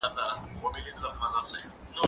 ته ولي سبزیجات جمع کوې؟